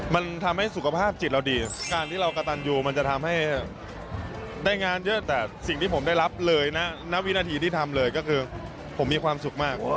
มันทำให้สุขภาพจิตเราดีการที่เรากระตันยูมันจะทำให้ได้งานเยอะแต่สิ่งที่ผมได้รับเลยนะณวินาทีที่ทำเลยก็คือผมมีความสุขมาก